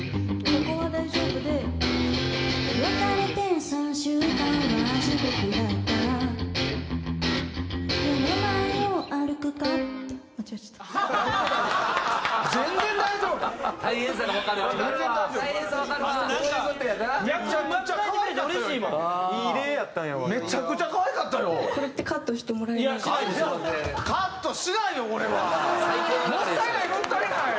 これは！もったいないもったいない！